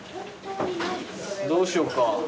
どうしようか。